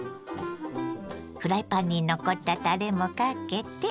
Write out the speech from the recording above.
フライパンに残ったタレもかけて。